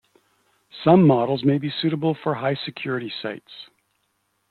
Some models may be suitable for high-security sites.